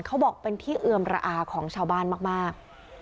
เขาบอกเป็นที่เอือมระอาของชาวบ้านมาก